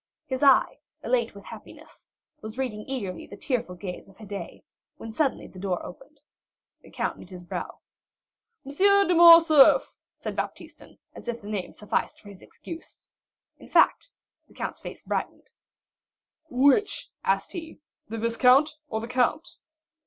His eye, elate with happiness, was reading eagerly the tearful gaze of Haydée, when suddenly the door opened. The count knit his brow. "M. de Morcerf!" said Baptistin, as if that name sufficed for his excuse. In fact, the count's face brightened. "Which," asked he, "the viscount or the count?"